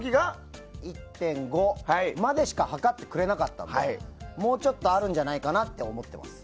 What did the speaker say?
１．５までしか測ってくれなかったのでもうちょっとあるんじゃないかなって思ってます。